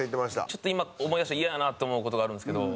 ちょっと今思い出したらイヤやなと思う事があるんですけど。